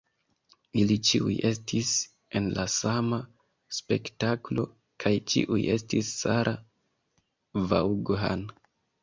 Ili ĉiuj estis en la sama spektaklo kaj ĉiuj estis Sarah Vaughan“.